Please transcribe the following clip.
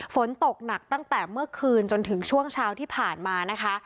ฝนตกหนักตั้งแต่เมื่อคืนจนถึงช่วงเช้าที่ผ่านมานะคะ